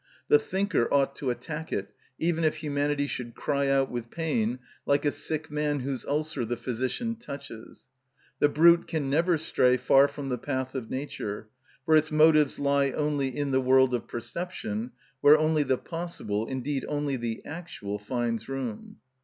The thinker ought to attack it, even if humanity should cry out with pain, like a sick man whose ulcer the physician touches. The brute can never stray far from the path of nature; for its motives lie only in the world of perception, where only the possible, indeed only the actual, finds room.